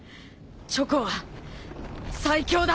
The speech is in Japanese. チョコは「最強」だ！